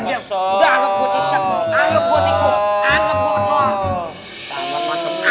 udah anggap gua cicek anggap gua tikus anggap gua asal